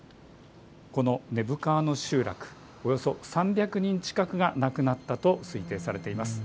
この根府川の集落、およそ３００人近くが亡くなったと推定されています。